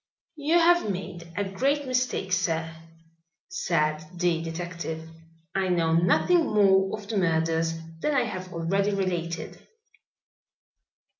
"You have made a great mistake, sir," said the detective. "I know nothing more of the murders than I have already related."